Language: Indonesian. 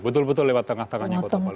betul betul lewat tengah tengahnya kota palu